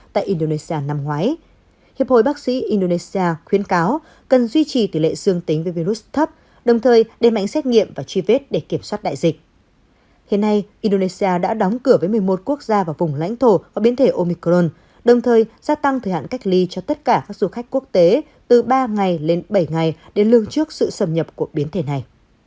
thế này indonesia đã đóng cửa với một mươi một quốc gia vào vùng lãnh thổ của biến thể omicron đồng thời gia tăng thời hạn cách ly cho tất cả các du khách quốc tế từ ba ngày lên bảy ngày để lương trước sự sầm nhập của biến thể này